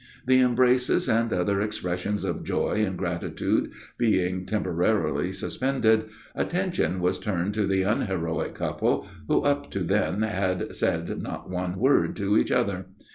The embraces and other expressions of joy and gratitude being temporarily suspended, attention was turned to the unheroic couple who up to then had said not one word to each other.